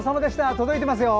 届いてますよ。